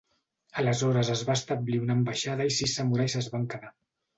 Aleshores es va establir una ambaixada i sis samurais es van quedar.